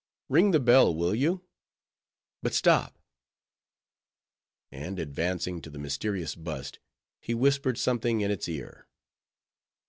—Ring the bell, will you? But stop;"— and advancing to the mysterious bust, he whispered something in its ear.